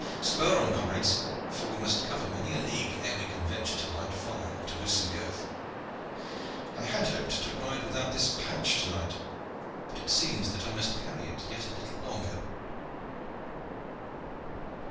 Spur on, comrades! for we must cover many a league ere we can venture to light fire or to loosen girth. I had hoped to ride without this patch to night, but it seems that I must carry it yet a little longer."